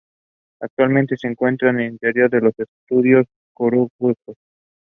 It has high genetic diversity between and among its named varieties.